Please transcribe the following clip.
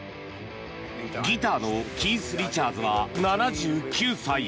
ギターのキース・リチャーズは７９歳。